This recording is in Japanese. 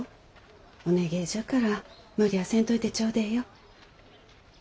お願えじゃから無理ゃあせんといてちょうでえよ。